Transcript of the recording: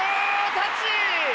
タッチ！